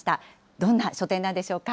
どんな書店なんでしょうか。